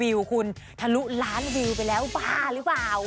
วิวคุณทะลุล้านวิวไปแล้วบ้าหรือเปล่า